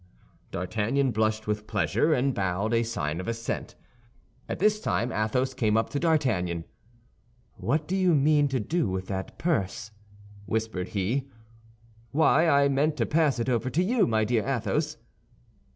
D'Artagnan blushed with pleasure, and bowed a sign of assent. At this time Athos came up to D'Artagnan. "What do you mean to do with that purse?" whispered he. "Why, I meant to pass it over to you, my dear Athos."